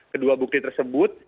kedua bukti tersebut